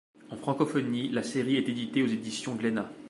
En francophonie, la série est éditée aux éditions Glénat.